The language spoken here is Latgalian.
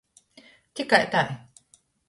Tikai tai!